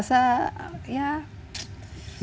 saya tidak merasa ya